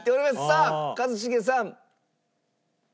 さあ一茂さん。